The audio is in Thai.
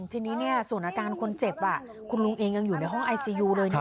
ทีนี้ส่วนอาการคนเจ็บคุณลุงเองยังอยู่ในห้องไอซียูเลยนะ